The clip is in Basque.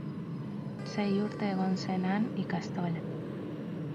Sei urte egon zen han ikastola.